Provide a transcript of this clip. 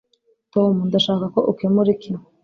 tom, ndashaka ko ukemura iki